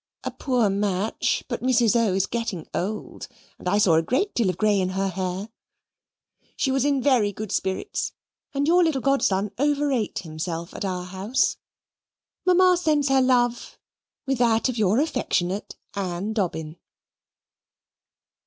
A poor match. But Mrs. O. is getting old, and I saw a great deal of grey in her hair she was in very good spirits: and your little godson overate himself at our house. Mamma sends her love with that of your affectionate, Ann Dobbin."